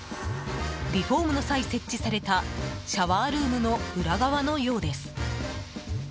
リフォームの際、設置されたシャワールームの裏側のようです。